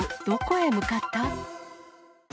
どこへ向かった？